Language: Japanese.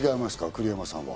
栗山さんは。